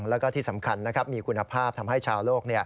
แล้วก็ที่สำคัญมีคุณภาพทำให้ชาวโลก